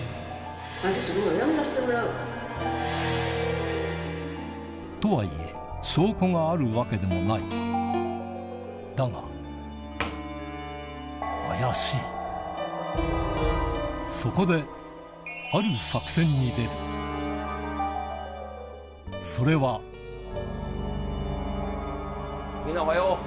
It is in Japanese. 私もう辞めさせてもらうわとはいえ証拠があるわけでもないだがそこでに出るそれはみんなおはよう。